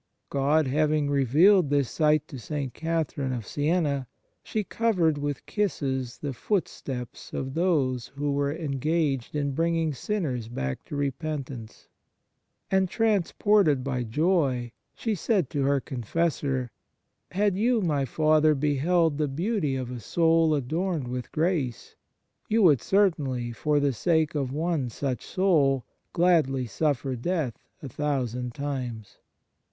God having revealed this sight to St. Catherine of Siena, she covered with kisses the footsteps of those who were en gaged in bringing sinners back to repent ance; and, transported by joy, she said to her confessor: " Had you, my father, beheld the beauty of a soul adorned with grace, you would certainly for the sake of one such soul gladly suffer death a thousand times."